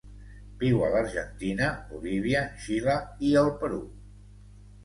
Viu a l'Argentina, Bolívia, Xile i el Perú.